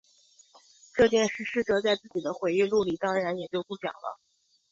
这件事师哲在自己的回忆录里当然也就不讲了。